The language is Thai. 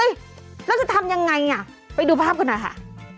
แล้วจะทำยังไงอ่ะไปดูภาพกันหน่อยค่ะ